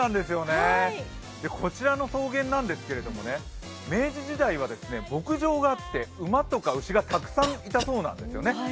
こちらの草原なんですが明治時代は牧場があって馬とか牛がたくさんいたそうなんですね。